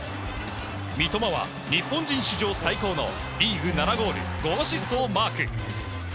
三笘は、日本人史上最高のリーグ７ゴール５アシストをマーク。